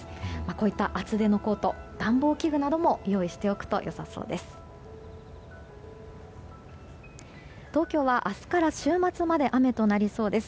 こういった厚手のコートや暖房器具なども用意しておくと良さそうです。